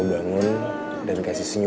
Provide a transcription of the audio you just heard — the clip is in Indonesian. berikan aku cinta